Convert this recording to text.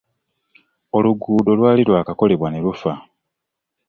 Oluguudo lwali lwakakolebwa ne lufa.